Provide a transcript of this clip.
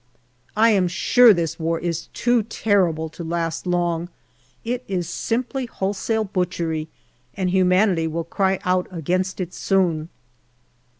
I am sure this war is too terrible to last long ; it is simply wholesale butchery, and humanity will cry out against it soon.